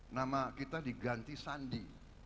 nama kita diganti sandi